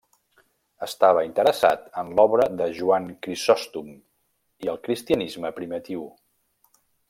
Estava interessat en l'obra de Joan Crisòstom i el cristianisme primitiu.